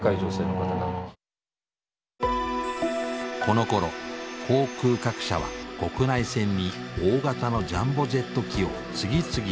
このころ航空各社は国内線に大型のジャンボジェット機を次々と導入。